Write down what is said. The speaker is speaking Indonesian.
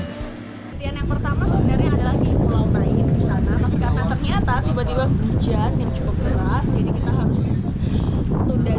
pertama sebenarnya adalah di pulau nain